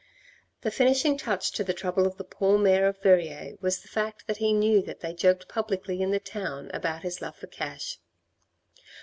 The finishing touch to the trouble of the poor mayor of Verrieres was the fact that he knew that they joked publicly in the town about his love for cash.